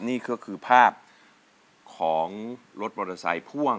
นี่ก็คือภาพของรถมอเตอร์ไซค์พ่วง